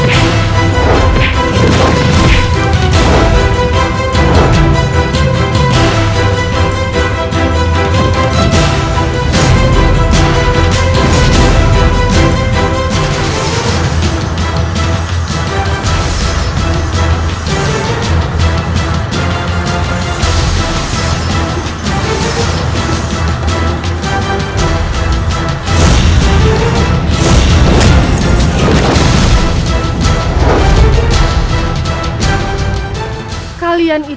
sumpah seorang raja besar